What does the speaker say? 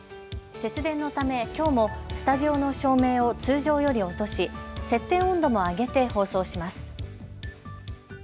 節電のためきょうもスタジオの照明を通常より落とし設定温度も上げて放送します。